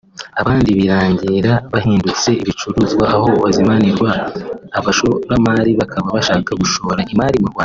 abandi birangira bahindutse ibicuruzwa aho bazimanirwa abashoramari baba bashaka gushora imari mu Rwanda